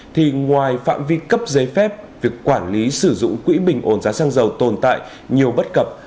thì ngoài phạm vi cấp giấy phép việc quản lý sử dụng quỹ bình ổn giá xăng dầu tồn tại nhiều bất cập